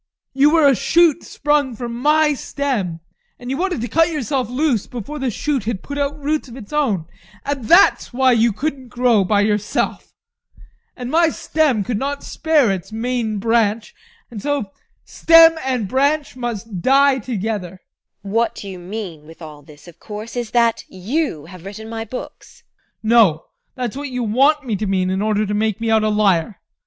You were a shoot sprung from my stem, and you wanted to cut yourself loose before the shoot had put out roots of its own, and that's why you couldn't grow by yourself. And my stem could not spare its main branch and so stem and branch must die together. TEKLA. What you mean with all this, of course, is that you have written my books. ADOLPH. No, that's what you want me to mean in order to make me out a liar.